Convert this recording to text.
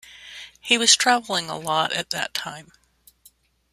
He was traveling a lot at that time.